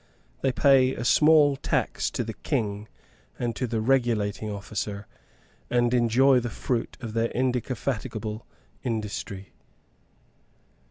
They pay a small tax to the king and to the regulating officer, and enjoy the fruit of their indefatigable industry.